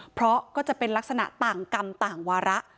เพราะก็จะเป็นลักษณะต่างกรรมต่างวาระ